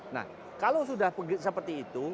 nah kalau sudah seperti itu